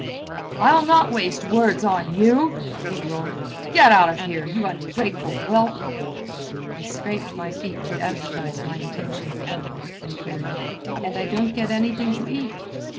"I'll not waste words on you," he roared. "Get out of here, you ungrateful whelp!" I scraped my feet to advertise my intention of going, and queried: "And I don't get anything to eat?"